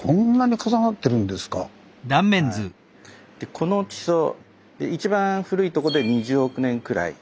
この地層一番古いとこで２０億年くらい。